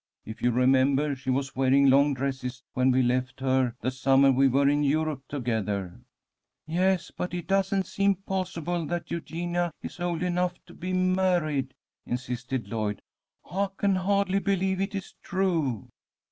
If you remember, she was wearing long dresses when we left her the summer we were in Europe together." "Yes, but it doesn't seem possible that Eugenia is old enough to be married," insisted Lloyd. "I can hardly believe it is true."